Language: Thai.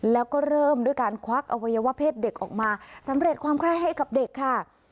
แล้วก็เริ่มด้วยการควักอวัยวะเพศเด็กออกมาสำเร็จความไคร้ให้กับเด็กค่ะ